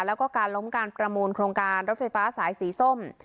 แล้วก็การล้มการประมูลโครงการรถไฟฟ้าสายสีส้ม